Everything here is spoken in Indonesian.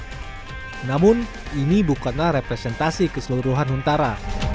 hontara ini juga memiliki penyelamat yang lebih besar dari representasi keseluruhan huntara